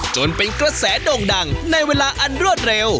จนเป็นกระแสโด่งดังในเวลาอันรวดเร็ว